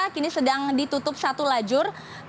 kini sedang ditutup satu lajur